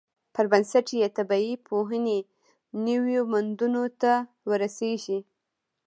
پر بنسټ یې طبیعي پوهنې نویو موندنو ته ورسیږي.